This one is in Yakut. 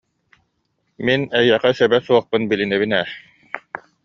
Мин эйиэхэ сөбө суохпун билинэбин ээ